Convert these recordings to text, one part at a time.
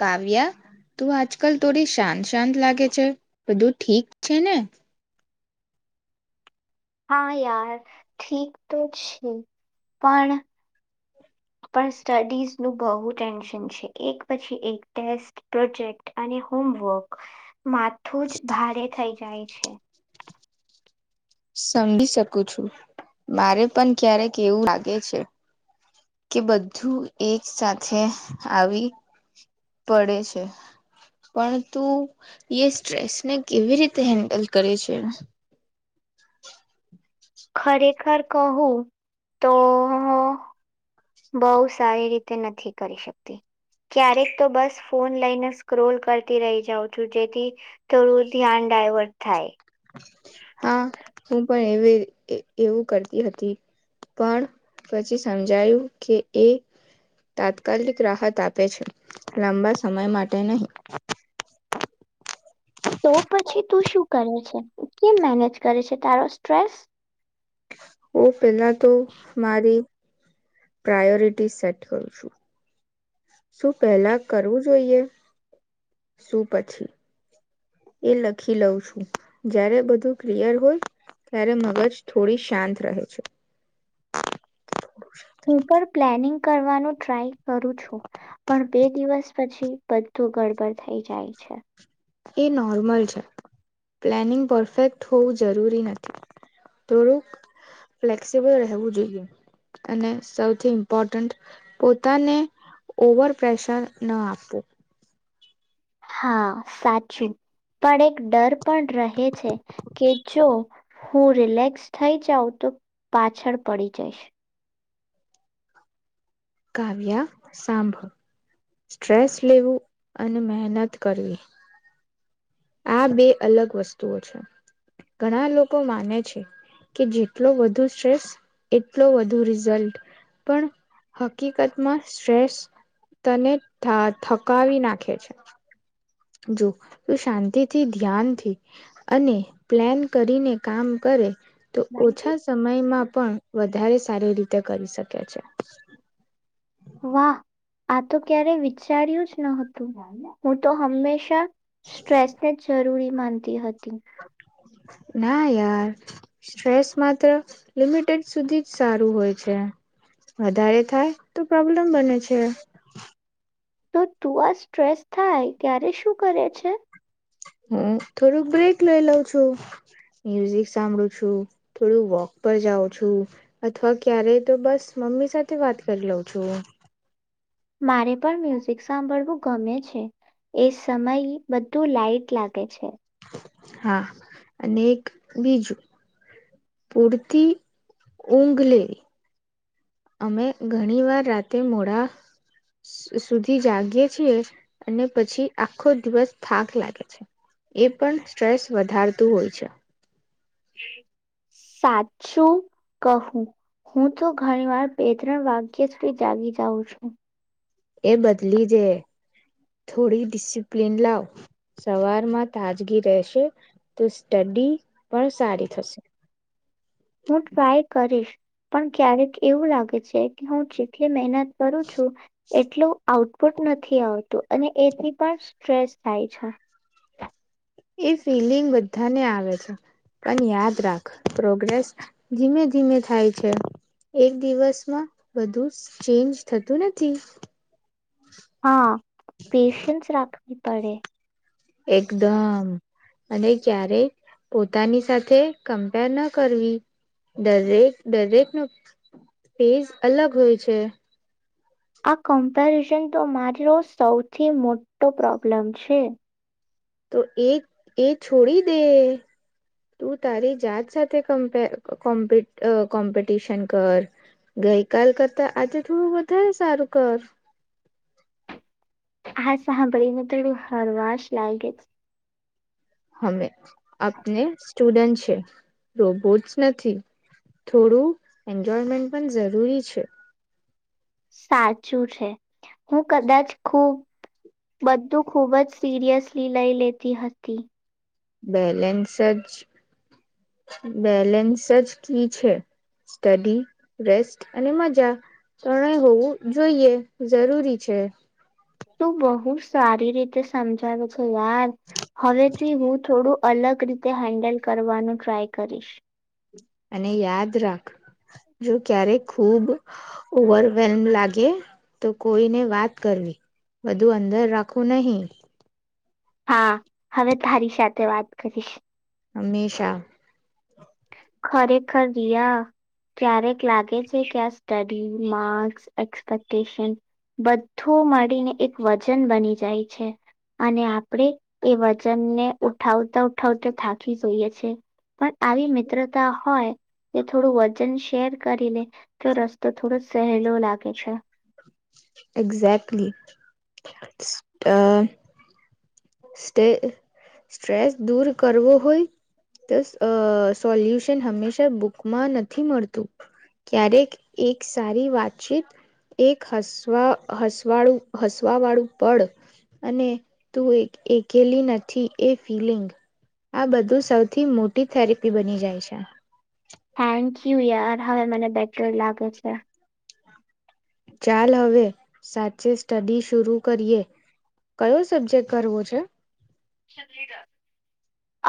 કાવ્યા તું આજકાલ થોડી શાંત શાંત લાગે છે, બધું ઠીક છે ને! હા યાર ઠીક તો છે પણ પણ સ્ટડીઝ નુ બહુ ટેન્શન છે. એક પછી એક ટેસ્ટ, પ્રોજેક્ટ અને હોમવર્ક માથું જ ભારે થઈ જાય છે. સમજી શકું છું. મારે પણ ક્યારેક એવું લાગે છે. કે બધું એક સાથે આવી પડે છે. પણ તું એ સ્ટ્રેસને કેવી રીતે હેન્ડલ કરે છે? ખરેખર કહું તો હુ બઉ સારી રીતે નથી કરી શકતી. ક્યારેક તો બસ ફોન લઈને સ્ક્રોલ કરતી રહી જાઉં છું. જેથી થોડું ધ્યાન ડાયવર્ટ થાય. હા. હું પણ એવી એવું કરતી હતી, પણ પછી સમજાયું કે એ તાત્કાલિક રાહત આપે છે લાંબા સમય માટે નહી. તો પછી તું શું કરે છે કેમ મેનેજ કરે છે તારો સ્ટ્રેસ? હુ પેલા તો મારી પ્રાયોરીટી સેટ કરુ છું. શું પહેલા કરવું જોઈએ શું પછી એ લખી લઉં છું. જ્યારે બધું ક્લિયર હોય ત્યારે મગજ થોડી શાંત રહે છે. હું પણ પ્લાનિંગ કરવાનું ટ્રાય કરું છું. પણ બે દિવસ પછી બધું ગડબડ થઈ જાય છે. એ નોર્મલ છે પ્લાનિંગ પરફેક્ટ હોવું જરૂરી નથી. થોડુંક ફ્લેક્સિબલ રહેવું જોઈએ, અને સૌથી ઇમ્પોર્ટન્ટ પોતાને ઓવર પ્રેશર ન આપવું. હા, સાચું પણ એક ડર પણ રહે. કે છે, કે જો. હું રિલેક્સ થઈ જાઉં તો પાછળ પડી જઈશ. કાવ્યા સાંભો સ્ટ્રેસ લેવું અને મહેનત કરવી આ બે અલગ વસ્તુઓ છે ઘણા લોકો માને છે કે જેટલો વધુ સ્ટ્રેસ એટલો વધુ રિઝલટ પણ હકીકતમાં સ્ટ્રેસ તને થા થકાવી નાખે છે. જો તો શાંતિથી ધ્યાનથી અને પ્લાન કરીને કામ કરે. તો ઓછા વાહ સમયમાં પણ વધારે સારી રીતે કરી શકે છે. વાહ આ તો ક્યારે વિચાર્યું જ ન હતું હું તો હંમેશા સ્ટ્રેસ ને જ જરૂરી માનતી. [inaudible] ના યાર સ્ટ્રેસ માત્ર લિમિટેડ સુધી જ સારું હોય છે વધારે થાય તો પ્રોબ્લેમ બને છે. તો તું આ સ્ટ્રેસ થાય ત્યારે શું કરે છે? હું થોડુંક બ્રેક લઈ લઉં છું મ્યુઝિક સાંભળું છું થોડું વોક પર જાઉં છું અથવા ક્યારેય તો બસ મમ્મી સાથે વાત કરી લઉં છું. મારે પણ મ્યુઝિક સાંભળવું ગમે છે એ સમય બધું લાઈટ લાગે છે. હા અને એક બીજું પૂરતી ઊંઘ લેવી. અમે ઘણી વાર રાતે મોડા સુધી જાગીએ છીએ અને પછી આખો દિવસ થાક લાગે છે એ પણ સ્ટ્રેસ વધારતું હોય છે. સાચું કહું હું તો ઘણી વાર બે ત્રણ વાગ્ય સુધી જાગી જાઉં છું. એ બદલી જે થોડી ડિસિપ્લીન લાવ સવારમાં તાજગી રહેશે તો સ્ટડી પણ સારી થશે. હું ટ્રાય કરીશ પણ ક્યારેક એવું લાગે છે કે હું જેટલી મહેનત કરું છું એટલું આઉટપુટ નથી આવતું અને એથી પણ સ્ટ્રેસ થાય છે. એ ફિલિંગ બધાને આવે છે પણ યાદ રાખ પ્રોગ્રેસ ધીમે ધીમે થાય છે એક દિવસમાં બધું ચેન્જ થતું નથી. હા પેશન્સ રાખ પડે. એકદમ. અને ક્યારેક પોતાની સાથે કમ્પેર ન કરવી દરેક દરેક ન પેઝ અલગ હોય છે. આ કમ્પેરિઝન તો મારો સૌથી મોટો પ્રોબ્લમ છે. તો એ એ છોડી દે તું તારી જાત સાથેપ કો્ કોમ્પિટિશન કર ગઈ કલ કરતા આજે થોડું વધારે સારું કર હ સાંભળીને થોડું હળવાશ લાગે જ. હવે. આપને. સ્ટુડન્ટ છે રોબોટસ નથી થોડું એન્જોયમેન્ટ પણ જરૂરી છે. સાચું છે હું કદાચ ખુબ બધું ખૂબ જ સિરિયસલી લઈ લેતી હતી. બેલેન્સ જ બેલેન્સ જ કી છે સ્ટડી રેસ્ટ અને મજા ત્રણેય હોવું જોઈએ જરૂરી છે. તું બહુ સારી રીતે સમજાવે યાર હવેથીી હું થોડું અલગ રીતે હેન્ડલ કરવાનું ટ્રાય કરીશ. અને યાદ રાખ જો ક્યારેક ખુબ ઓવરવેલ્મ લાગે તો કોઈને વાત કરવી બધું અંદર રાખવું નહી. હા હવે તારી સાથે વાત કરીશ. હમેશા. ખરેખર રિયા ક્યારેક લાગે છે કે આ સ્ટડી માર્કસ એક્સપેક્ટેશન બધું મળીને એક વજન બની જાય છે અને આપણે એ વજનને ઉઠાવતા ઉઠાવતા થાકી જોઈએ છે પણ આવી મિત્રતા હોય તે થોડું વજન શેર કરી લે તો રસ્તો થોડો સહેલો લાગે છે. Exactly just a stay stress દૂર કરવો હોય તો અહ સોલ્યુશન હંમેશા બુકમાં નથી મળતું ક્યારેક એક સારી વાતચીત એક હસવા હસવાળું હસવા વાળું પડ અને તું એક એકેલી નથી એ ફિલિંગ આ બધું સૌથી મોટી થેરેપી બની જાય છે. થેન્ક યુ યાર હવે મને બેટર લાગે છે. ચાલ હવે સાચે સ્ટડી શરુ કરીએ કયો સબ્જેક્ટ કરવો છે?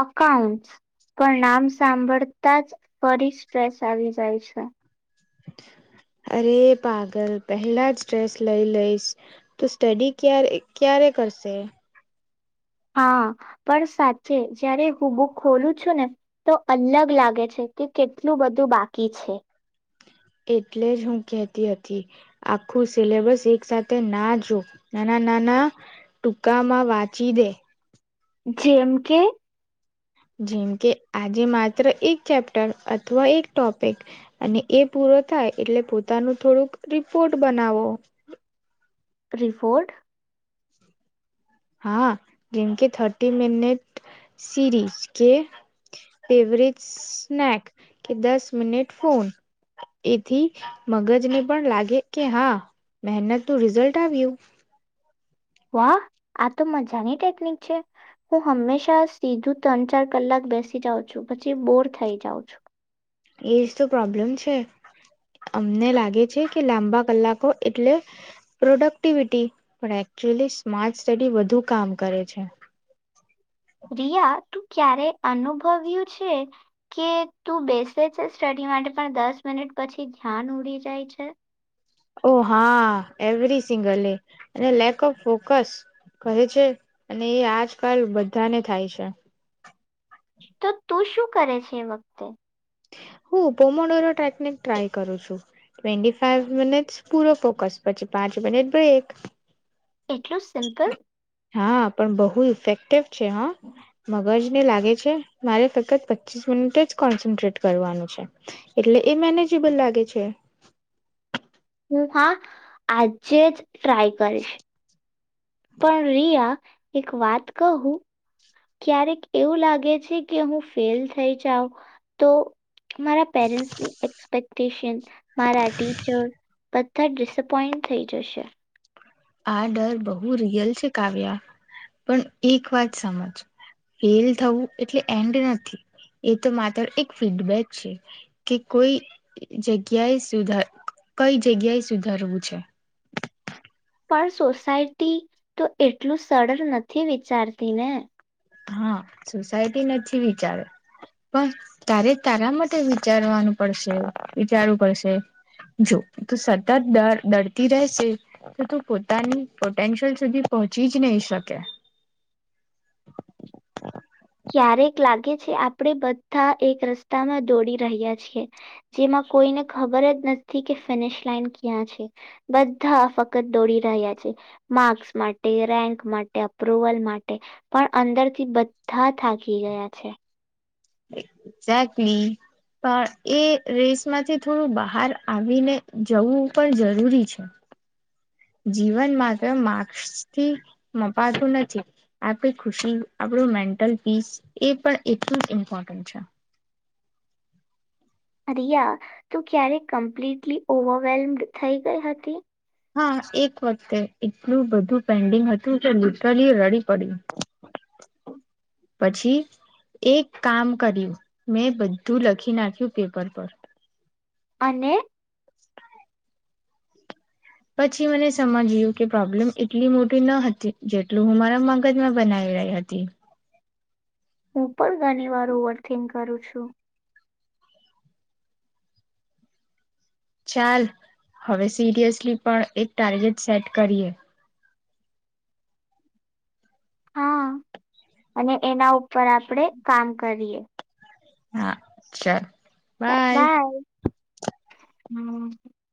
અકાઉન્ટસ પણ નામ સાંભળતા જ ફરી સ્ટ્રેસ આવી જાય છે. અરે પાગલ પહેલા જ સ્ટ્રેસ લઈ લઈશ તો સ્ટડી ક્યારે ક્યારે કરશે. હા, પણ સાચે જયારે હું બુક ખોલું છું ને તો અલગ લાગે છે કે કેટલું બધું બાકી છે. એટલે જ હું કેતી હતી આખું સિલેબસ એક સાથે ના જો નાના નાના ટૂકામાં વાંચી દે. જેમ કે? જેમ કે આજે માત્ર એક ચેપ્ટર અથવા એક ટોપિક અને એ પૂરો થાય એટલે પોતાનું થોડુંક રિપોર્ટ બનાવો. રિફોર્ડ? હા, જેમ કે થર્ટી મિનટ સીરીઝ કે એવરેજ સ્નેક કે દસ મિનિટ ફોન એથી મગજને પણ લાગે કે હા મહેનત નું રિઝલ્ટ આવ્યું. વાહ આ તો મજાની ટેકનિક છે. હું હંમેશા સીધું ત્રણ ચાર કલાક બેસી જાઉં છું પછી બોર થઈ જાઉં છું. એજ તો પ્રોબ્લેમ છે. અમને લાગે છે કે લાંબા કલાકો એટલે પ્રોડક્ટિવિટી પણ એકચુઅલી સ્માર્ટ સ્ટડી વધુ કામ કરે છે. રિયા તું ક્યારે અનુભવ્યું છે કે તું બેસે છે સ્ટડી માટે પણ દસ મિનિટ પછી ધ્યાન ઉડી જાય છે. ઓ હા એવરી સિંગલ લે અને લેક ઓફ ફોકસ કહે છે અને એ આજકાલ બધાને થાય છે. તો તું શું કરે છે એ વખતે? હું પોમોનોરો ટકનિક ટ્રાય કરું છું ટ્વેન્ટી ફાઇવ મિનિટ પૂરો ફોકસ પછી પાંચ મિનિટ બ્રેક. એટલું સિમ્પલ હા પણ બહુ ઇફેક્ટ ટફ છે હા મગજને લાગે છે મારે ફક્ત પચીસ મિનિટ જ કોન્સન્ટ્રેટ કરવાનું છે એટલે એ મેનેજેબલ લાગે છે. હું હા આજે જ ટ્રાય કરીશ. પણ રિયા એક વાત કહું? ક્યારેક એવું લાગે છે કે હું ફેલ થઈ જાઉ તો મારા પેરેન્ટ્સની એક્સપેક્ટેશન, મારા ટીચર બધા ડિસપોઈન્ટ થઈ જશે. આ ડર બહુ રિયલ છે કાવ્યા. પણ એક વાત સમજ ફેલ થવું એટલે એન્ડ નથી એ તો માત્ર એક ફીડબેક છે કે કોઈ જગ્યાએ સુધાર કઈ જગ્યાએ સુધારવું છે. પણ સોસાયટી તો એટલું સરળ નથી વિચારતી ને. હા સોસાયટી નથી વિચારે. પણ તારે તારા માટે વિચારવાનું પડશે વિચારવું પડશે. જો તું સતત ડરતી રહેશે તો તું પોતાની પોટેન્શિયલ સુધી પહોંચી જ નહી શકે. ક્યારેક લાગે છે આપણે બધા એક રસ્તામાં દોડી રહ્યા છીએ. જેમાં કોઈને ખબર જ નથી કે ફિનિશ લાઈન ક્યાં છે બધા ફક્ત દોડી રહ્યા છે. માર્ક્સ માટે, રેન્ક માટે, અપ્રુવલ માટે પણ અંદરથી બ ધા થાકી ગયા છે. એક્ઝેકલી પણ એ રેસ માંથી થોડું બહાર આવીને જવું પણ જરૂરી છે. જીવનમાં તો માર્સથી મપાતું નથી. આપડી ખુશી આપણું મેન્ટલ પીસ એ પણ એટલું ઇમ્પોર્ટન્ટ છે. રિયા તું ક્યારે કમ્પ્લીટલી ઓવરવેલ્મડ થઈ ગઈ હતી? હા એક વખતે એટલું બધું પેન્ડિંગ હતું કે લિટરલી રડી પડી. પછી એક કામ કર્યું મેં બધું લખી નાખ્યું પેપર પર. અને? પછી મને સમજ્યું કે પ્રોબ્લેમ એટલી મોટી ન હતી જેટલું હું મારા મગજમાં બનાવી રહી હતી. હું પણ ઘણી વાર ઓવરથીક કરું છું. ચાલ હવે સિરિયસલી પણ એક ટાર્ગેટ સેટ કરીએ. હા અને એના ઉપર આપણેે કામ કરીએ. હા ચાલ. બાય. હમ્મ.